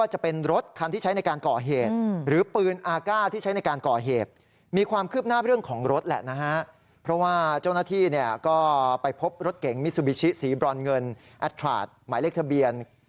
เห็งมิซูบิชิศรีบรรเงินแอตราสหมายเลขทะเบียน